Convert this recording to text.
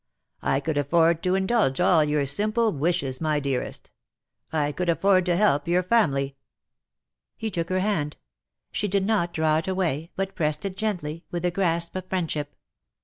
I could afford to indulge all your simple wishes, my dearest ! I could afford to help your family !" He took her hand. She did not draw it away, but pressed his gently, with the grasp of friend ship.